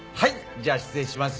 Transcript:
じゃあ失礼します。